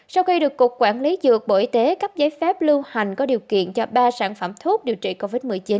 sau khi được cục quản lý dược bộ y tế cấp giấy phép lưu hành có điều kiện cho ba sản phẩm thuốc điều trị covid một mươi chín